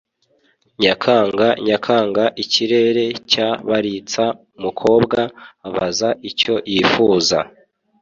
nyakanga nyakanga ikirere cya barista umukobwa abaza icyo yifuza